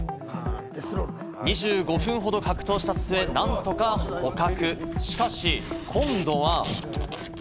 ２５分ほど格闘した末、なんとか捕獲。